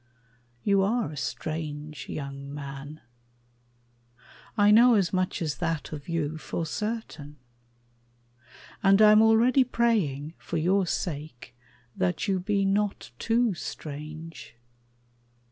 You are a strange young man. I know as much as that of you, for certain; And I'm already praying, for your sake, That you be not too strange.